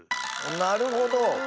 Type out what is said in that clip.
なるほど。